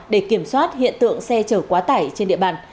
để kiểm soát hiện tượng xe chở quá tải trên địa bàn